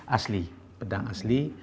asli pedang asli